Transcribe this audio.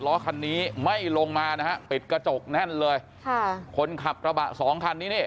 ล้อคันนี้ไม่ลงมานะฮะปิดกระจกแน่นเลยค่ะคนขับกระบะสองคันนี้นี่